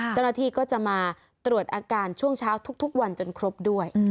เจ้าหน้าที่ก็จะมาตรวจอาการช่วงเช้าทุกวันจนครบด้วย